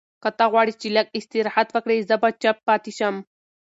که ته غواړې چې لږ استراحت وکړې، زه به چپ پاتې شم.